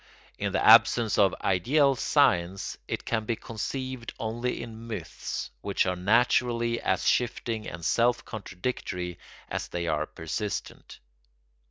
In the absence of ideal science, it can be conceived only in myths, which are naturally as shifting and self contradictory as they are persistent.